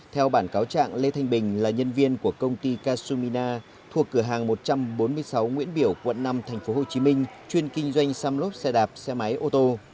theo bản cáo trạng lê thanh bình là nhân viên của công ty casumina thuộc cửa hàng một trăm bốn mươi sáu nguyễn biểu quận năm tp hcm chuyên kinh doanh xăm lốp xe đạp xe máy ô tô